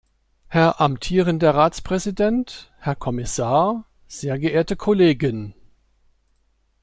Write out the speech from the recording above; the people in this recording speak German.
Herr amtierender Ratspräsident, Herr Kommissar, sehr geehrte Kollegen!